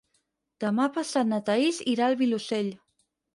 Demà passat na Thaís irà al Vilosell.